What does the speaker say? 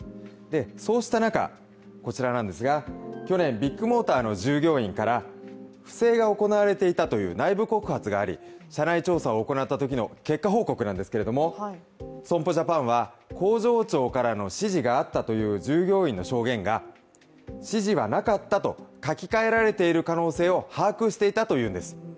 そうした中、去年、ビッグモーターの従業員から不正が行われていたという内部告発があり、社内調査を行ったときの結果報告なんですけれども損保ジャパンは工場長からの指示があったという従業員の証言を指示はなかったと書き換えられている可能性を把握していたというんです。